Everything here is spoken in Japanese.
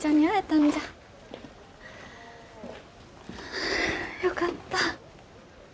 はあよかった。